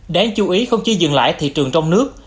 đáng chú ý không chỉ dừng lại thị trường trong nước